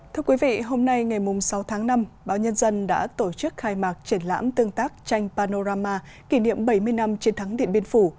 thưa quý vị hôm nay ngày sáu tháng năm báo nhân dân đã tổ chức khai mạc triển lãm tương tác tranh panorama kỷ niệm bảy mươi năm chiến thắng điện biên phủ